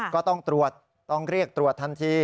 ก็ต้องตรวจต้องเรียกตรวจทันที